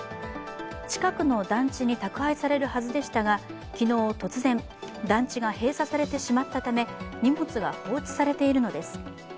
近くの団地に宅配されるはずでしたが、昨日突然団地が閉鎖されてしまったため荷物が放置されているのです。